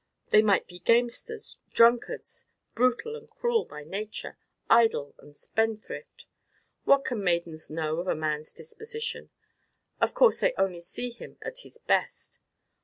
They might be gamesters, drunkards, brutal and cruel by nature, idle and spendthrift. What can maidens know of a man's disposition? Of course they only see him at his best.